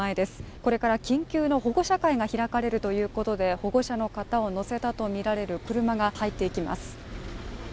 これから緊急の保護者会が開かれるということで保護者のかたを乗せたとみられる車が入っていきます。